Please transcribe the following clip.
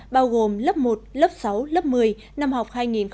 bao gồm lớp một lớp sáu lớp một mươi năm học hai nghìn hai mươi hai nghìn hai mươi